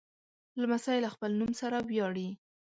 لمسی له خپل نوم سره ویاړي.